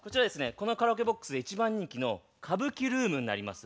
このカラオケボックスで一番人気の歌舞伎ルームになります。